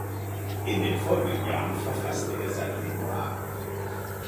In den folgenden Jahren verfasste er seine Memoiren.